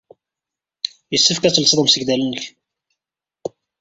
Yessefk ad telsed amsegdal-nnek.